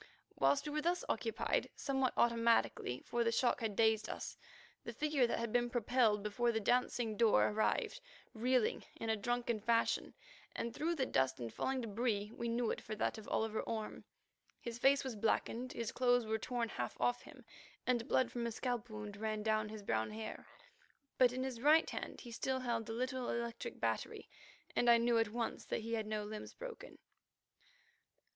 Whilst we were thus occupied somewhat automatically, for the shock had dazed us, the figure that had been propelled before the dancing door arrived, reeling in a drunken fashion, and through the dust and falling débris we knew it for that of Oliver Orme. His face was blackened, his clothes were torn half off him, and blood from a scalp wound ran down his brown hair. But in his right hand he still held the little electric battery, and I knew at once that he had no limbs broken.